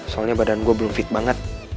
soalnya badan gue belum fit banget